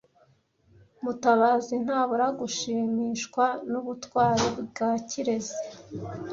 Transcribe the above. Mutabazi ntabura gushimishwa n'ubutwari bwa Kirezi .